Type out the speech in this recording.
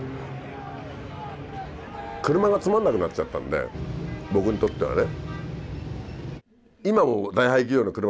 車がつまんなくなっちゃったんで僕にとってはね。